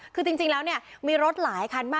คือจริงแล้วเนี่ยมีรถหลายคันมาก